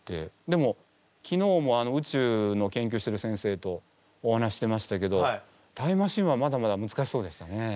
でも昨日も宇宙の研究してる先生とお話してましたけどタイムマシーンはまだまだむずかしそうでしたね。